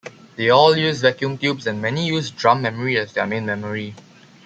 They all used vacuum tubes and many used drum memory as their main memory.